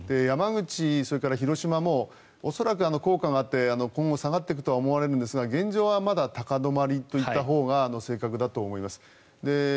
山口、それから広島も恐らく効果があって今後下がっていくと思われますが現状はまだ高止まりといったほうが正確だと思います。